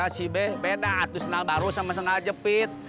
si be beda atuh senal baru sama senal jepit